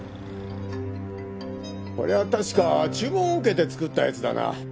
これは確か注文を受けて作ったやつだな。